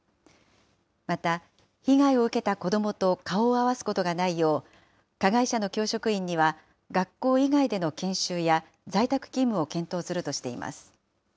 また、被害を受けた子どもと顔を合わすことがないよう、加害者の教職員には学校以外での研修や在宅勤務を検討するとしています。